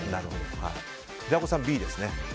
平子さん、Ｂですね。